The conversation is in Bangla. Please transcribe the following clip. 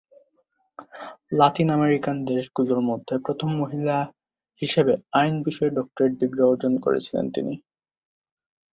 লাতিন আমেরিকান দেশগুলোর মধ্যে প্রথম মহিলা হিসেবে আইন বিষয়ে ডক্টরেট ডিগ্রি অর্জন করেছিলেন তিনি।